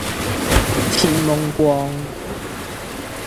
天矇光